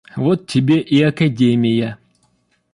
Вот тебе и академия!